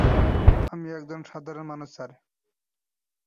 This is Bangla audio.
আমি একজন সাধারণ মানুষ, স্যার?